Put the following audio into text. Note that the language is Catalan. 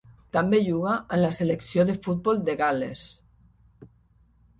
També juga en la selecció de futbol de Gal·les.